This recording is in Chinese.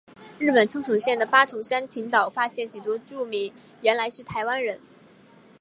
日本冲绳县的八重山群岛发现许多住民原来是台湾人。